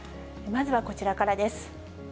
まずはこちらからです。